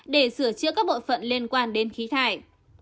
để sửa chữa các bộ phận liên quan đến khí thải